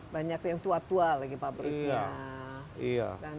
banyak yang tua tua lagi pabriknya